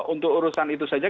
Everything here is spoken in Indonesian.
untuk urusan itu saja